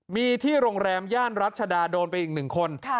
มีที่โรงแรมย่านรัชดาโดนไปอีก๑คน